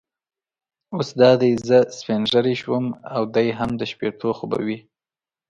اوس دا دی زه سپینږیری شوم او دی هم د شپېتو خو به وي.